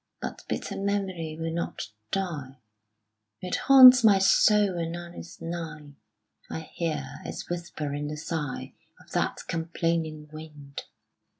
But bitter memory will not die: It haunts my soul when none is nigh: I hear its whisper in the sigh Of that complaining wind.